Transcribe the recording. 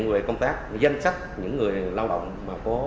đến tod void công tác phòng chống dịch bệnh viêm phổ cấp được